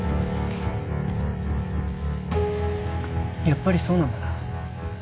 やっぱりそうなんだな？